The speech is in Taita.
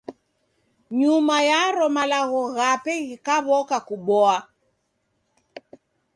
Nyuma yaro malagho ghape ghikaw'oka kuboa.